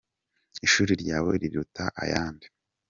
Ishuri ryawe riruta ayandi